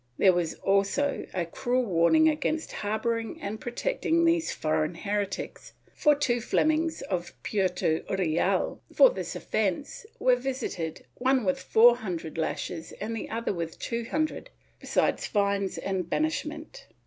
There was also a cruel warning against harboring and protecting these foreign heretics, for two Flemings of Puerto Real, for this offence, were visited, one with four hundred lashes and the other with two himdred, besides fines and banishment.